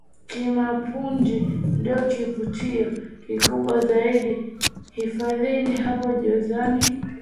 Kimapunju ndio kivutio kikubwa zaidi hifadhini hapo jozani